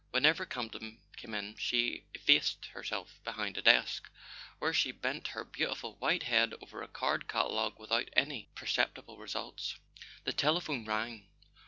Whenever Camp ton came in she effaced herself behind a desk, where she bent her beautiful white head over a card catalogue without any perceptible results. The telephone rang.